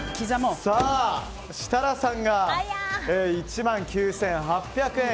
設楽さんが１万９８００円。